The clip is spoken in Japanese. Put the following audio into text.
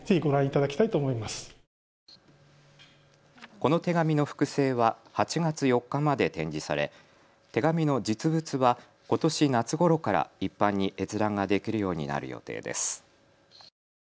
この手紙の複製は８月４日まで展示され手紙の実物はことし夏ごろから一般に閲覧ができるようになる予定です。